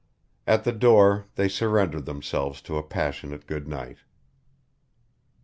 At the door they surrendered themselves to a passionate good night.